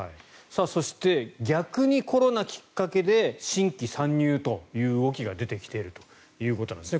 そして逆にコロナきっかけで新規参入という動きが出てきているということです。